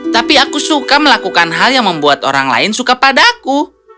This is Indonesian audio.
tapi aku suka melakukan hal yang membuat orang lain suka padaku